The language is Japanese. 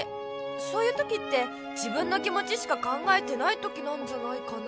そういうときって自分の気もちしか考えてないときなんじゃないかな。